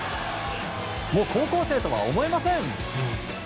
もう高校生とは思えません。